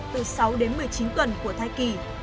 từ sáu đến một mươi chín tuần của thai kỳ